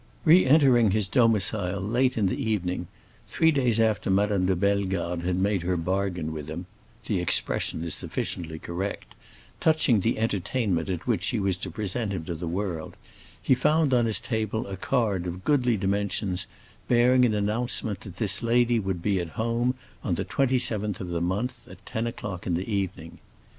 Re entering his domicile, late in the evening, three days after Madame de Bellegarde had made her bargain with him—the expression is sufficiently correct—touching the entertainment at which she was to present him to the world, he found on his table a card of goodly dimensions bearing an announcement that this lady would be at home on the 27th of the month, at ten o'clock in the evening.